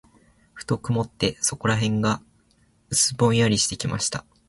ふと曇って、そこらが薄ぼんやりしてきました。